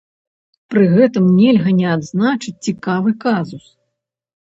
Пры гэтым нельга не адзначыць цікавы казус.